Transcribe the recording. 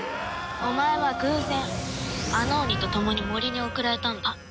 お前は偶然アノーニと共に森に送られたのだ。